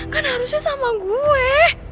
kan harusnya sama gue